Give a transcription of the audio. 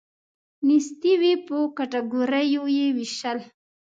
نیستي وی په کټګوریو یې ویشل.